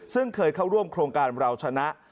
ซึ่งเคยเข้าร่วมโครงการเราชนะ